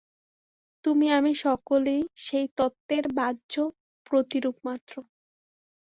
তুমি আমি সকলেই সেই তত্ত্বের বাহ্য প্রতিরূপ মাত্র।